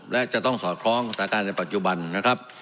และจะต้องสอดคล้องสถานการณ์ในปัจจุบันนะครับ